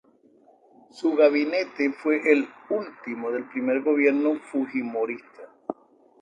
Su gabinete fue el último del primer gobierno fujimorista.